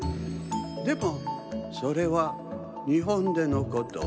でもそれはにほんでのこと。